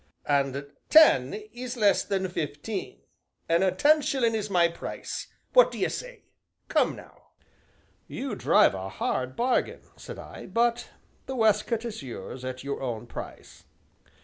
"An' ten is less than fifteen, an' ten shillin' is my price; what d'ye say come now." "You drive a hard bargain," said I, "but the waistcoat is yours at your own price."